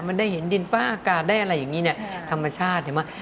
มันได้เห็นดินฟ้าอากาศได้อะไรอย่างนี้เนี่ยธรรมชาติเห็นไหม